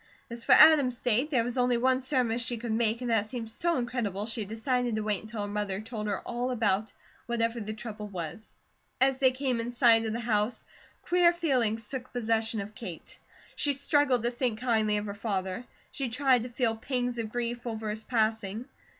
As for Adam's state, there was only one surmise she could make, and that seemed so incredible, she decided to wait until her mother told her all about whatever the trouble was. As they came in sight of the house, queer feelings took possession of Kate. She struggled to think kindly of her father; she tried to feel pangs of grief over his passing.